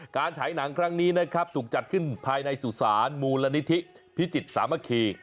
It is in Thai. ฉายหนังครั้งนี้นะครับถูกจัดขึ้นภายในสุสานมูลนิธิพิจิตรสามัคคี